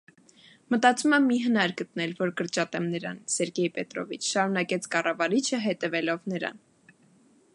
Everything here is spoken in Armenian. - Մտածում եմ մի հնար գտնել, որ կրճատեմ նրան, Սերգեյ Պետրովիչ,- շարունակեց կառավարիչը, հետևելով նրան: